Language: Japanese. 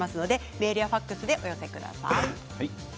メール、ファックスでお寄せください。